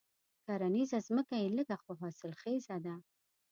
کرنيزه ځمکه یې لږه خو حاصل خېزه ده.